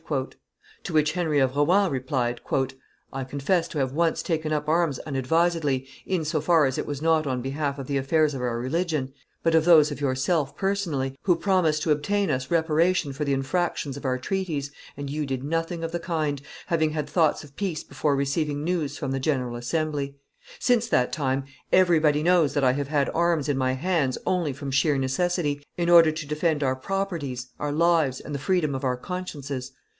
." To which Henry de Rohan replied, "I confess to have once taken up arms unadvisedly, in so far as it was not on behalf of the affairs of our religion, but of those of yourself personally, who promised to obtain us reparation for the infractions of our treaties, and you did nothing of the kind, having had thoughts of peace before receiving news from the general assembly. Since that time everybody knows that I have had arms in my hands only from sheer necessity, in order to defend our properties, our lives, and the freedom of our consciences.